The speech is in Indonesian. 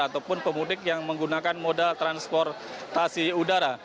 ataupun pemudik yang menggunakan moda transportasi udara